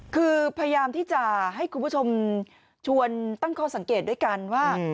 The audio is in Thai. คือพยายามที่จะให้คุณผู้ชมชวนตั้งข้อสังเกตด้วยกันว่า